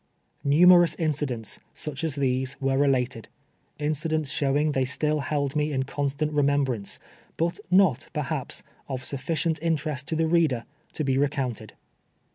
Numerous incidents, such as these, were related — incidents showing they still held me in constant remembrance, but not, j)erhaps, of suflicient interest to the reader, to be recounted.